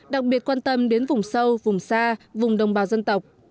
đặc biệt quan tâm đến vùng sâu vùng xa vùng đồng bào dân tộc